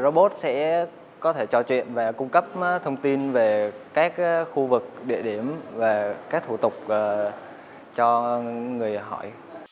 robot sẽ có thể trò chuyện và cung cấp thông tin về các khu vực địa điểm về các thủ tục cho người hỏi